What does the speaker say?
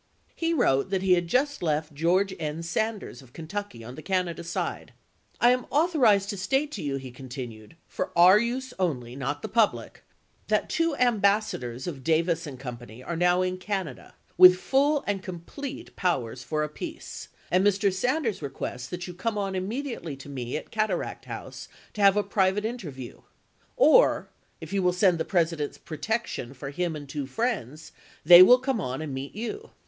He wrote that he had just left George N. Sanders of Kentucky on the Canada side. " I am authorized to state to you," he continued, " for our use only, not the public, that two ambassadors of Davis & Co. are now in Canada with full and complete pow ers for a peace, and Mr. Sanders requests that you come on immediately to me at Cataract House to have a private interview ; or, if you will send the President's protection for him and two friends, they will come on and meet you.